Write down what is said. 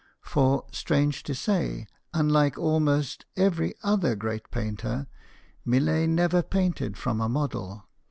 For, strange to say, unlike almost every other great painter, Millet never painted from a model.